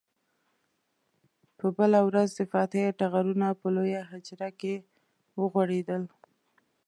په بله ورځ د فاتحې ټغرونه په لویه حجره کې وغوړېدل.